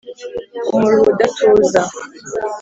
umuruho udatuza